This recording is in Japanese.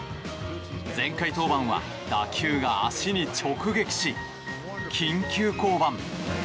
前回登板は打球が足に直撃し緊急降板。